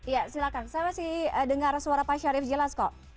ya silahkan saya masih dengar suara pak syarif jelas kok